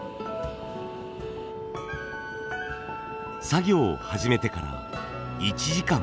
作業を始めてから１時間。